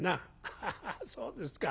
「ハハハそうですか。